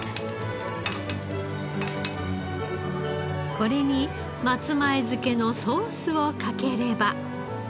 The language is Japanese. これに松前漬けのソースをかければ。